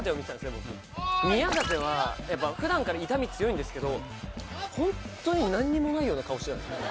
僕宮舘は普段から痛み強いんですけどホントに何にもないような顔してたんすよ